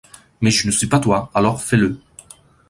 Mais je ne suis pas toi, alors fais-le.